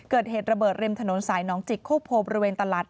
เกิดเหตุระเบิดริมถนนสายน้องจิกโคกโพบริเวณตลาด